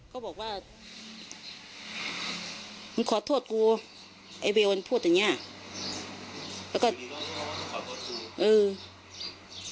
เขาบอกว่ามึงขอโทษกูไอ้เวย์อ่อนพูดอย่างเนี่ย